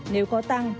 nếu có tăng